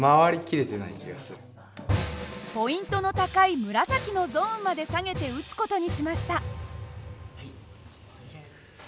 ポイントの高い紫のゾーンまで下げて撃つ事にしました。